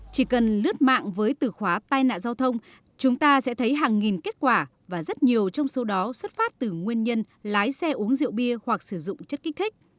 chỉ cần lướt mạng với từ khóa tai nạn giao thông chúng ta sẽ thấy hàng nghìn kết quả và rất nhiều trong số đó xuất phát từ nguyên nhân lái xe uống rượu bia hoặc sử dụng chất kích thích